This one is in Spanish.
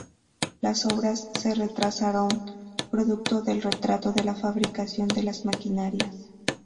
Las obras se retrasaron producto del retraso en la fabricación de las maquinarias.